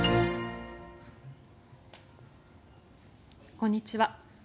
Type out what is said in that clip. こんにちは。